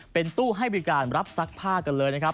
เป็นตู้ให้บริการรับซักผ้ากันเลยนะครับ